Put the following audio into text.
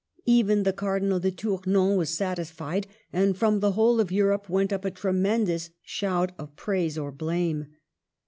Even the Cardinal de Tournon was sat isfied ; and from the whole of Europe went up a tremendous shout of praise or blame.